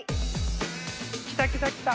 来た来た来た。